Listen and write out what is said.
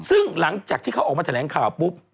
ซึ่งหลังจากที่เขาออกมาแถลงข่าวปุ๊บ